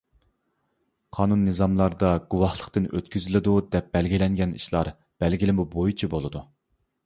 قانۇن-نىزاملاردا گۇۋاھلىقتىن ئۆتكۈزۈلىدۇ دەپ بەلگىلەنگەن ئىشلار بەلگىلىمە بويىچە بولىدۇ.